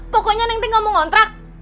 pokoknya neng teh gak mau ngontrak